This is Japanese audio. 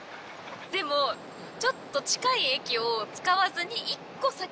でもちょっと近い駅を使わずに。